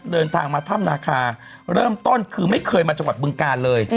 เดินทางมาถ้ำนาคาเริ่มต้นคือไม่เคยมาจังหวัดบึงกาลเลย